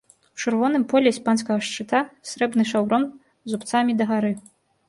У чырвоным полі іспанскага шчыта срэбны шаўрон зубцамі дагары.